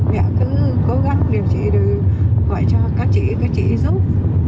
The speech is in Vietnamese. mẹ cứ cố gắng để chị được gọi cho các chị các chị giúp